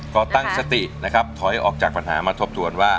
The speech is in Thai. ก็ตั้งสตินะครับถอยออกจากปัญหามาทบทวนว่า